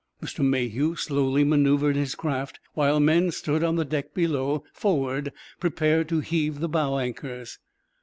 Mr. Mayhew slowly manœuvred his craft, while men stood on the deck below, forward, prepared to heave the bow anchors.